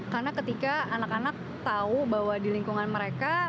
karena ketika anak anak tahu bahwa di lingkungan mereka